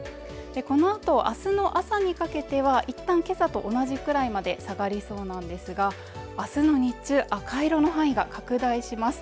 このあとあすの朝にかけてはいったん今朝と同じくらいまで下がりそうなんですが明日の日中赤色の範囲が拡大します